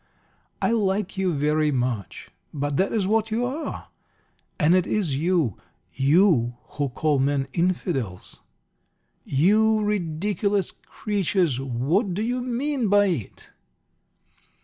I like you very much, but that is what you are. And it is you you who call men 'Infidels.' You ridiculous creatures, what do you mean by it?"